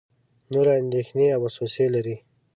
نورې اندېښنې او وسوسې لري.